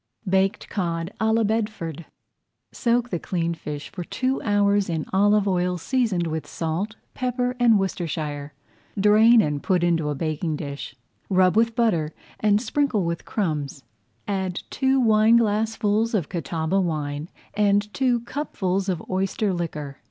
BAKED COD À LA BEDFORD Soak the cleaned fish for two hours in olive oil seasoned with salt, pepper, and Worcestershire. Drain and put into a baking dish, rub with butter, and sprinkle with crumbs. Add two wineglassfuls [Page 95] of Catawba wine and two cupfuls of oyster liquor.